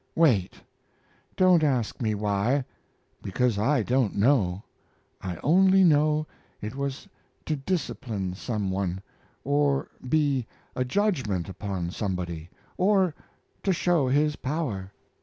Wait! Don't ask me why, because I don't know. I only know it was to discipline some one, or be a judgment upon somebody, or to show His power."